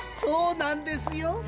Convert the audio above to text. そうなんですよ。